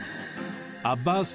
アッバース